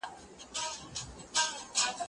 هغه وويل چي انځورونه مهم دي!.